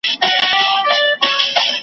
د توپان هیبت وحشت وو راوستلی .